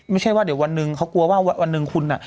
ไม่ใช่ว่าเดี๋ยววันหนึ่งเขากลัวว่าวันหนึ่งคุณน่ะ